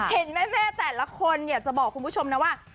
เห็นแม่แต่ละคนอยากจะบอกคุณผู้ชมนะว่า